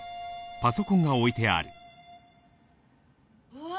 うわ！